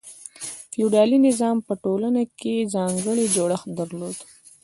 فیوډالي نظام په ټولنه کې ځانګړی جوړښت درلود.